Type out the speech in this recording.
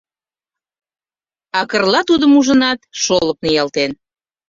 А Карла, тудым ужынат, шолып ниялтен.